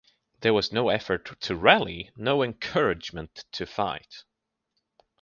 There was no effort to rally, no encouragement to fight.